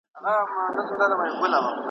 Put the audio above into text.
ټولو وویل دا تشي افسانې دي `